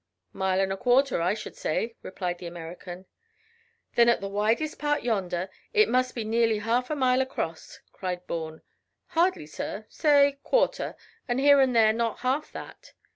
"Mile and a quarter, I should say," replied the American. "Then at the widest part yonder it must be nearly half a mile across," cried Bourne. "Hardly, sir; say quarter, and here and there not half that."